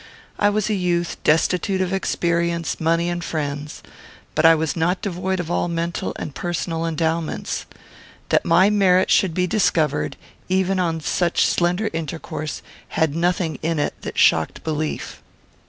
I was a youth destitute of experience, money, and friends; but I was not devoid of all mental and personal endowments. That my merit should be discovered, even on such slender intercourse, had surely nothing in it that shocked belief.